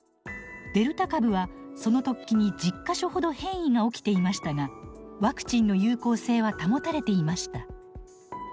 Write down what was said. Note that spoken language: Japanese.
デルタ株はその突起に１０か所ほど変異が起きていましたがワクチンの有効性は保たれていました。